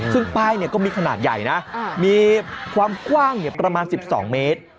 ซึ่งป้ายก็มีขนาดใหญ่นะมีความกว้างประมาณ๑๒เมตร